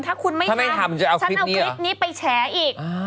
ถ้าไม่ทำจะเอาคลิปนี้เหรอถ้าไม่ทำจะเอาคลิปนี้ไปแชร์อีก